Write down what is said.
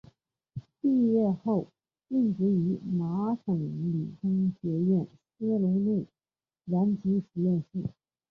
毕业后任职于麻省理工学院斯龙内燃机实验室。